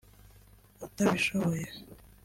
utabishoboye